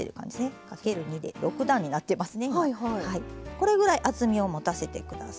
これぐらい厚みをもたせて下さい。